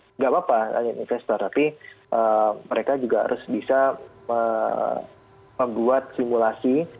tidak apa apa investor tapi mereka juga harus bisa membuat simulasi